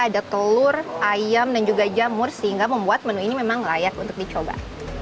ada telur ayam dan juga jamur sehingga membuat menu ini memang layak untuk dicoba